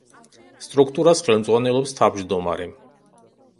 სტრუქტურას ხელმძღვანელობს თავმჯდომარე.